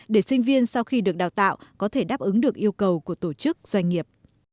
để sinh viên sau khi được đào tạo có thể đáp ứng được yêu cầu của tổ chức doanh nghiệp